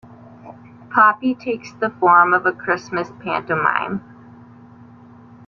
"Poppy" takes the form of a Christmas pantomime.